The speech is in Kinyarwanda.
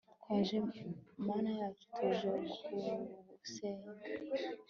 twaje mana yacu, tuje kugusenga (twese)